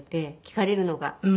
聞かれるのが。